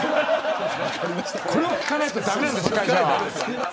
これを聞かないと駄目なんだ司会者は。